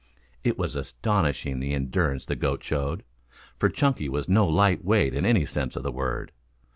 It was astonishing the endurance the goat showed, for Chunky was no light weight in any sense of the word.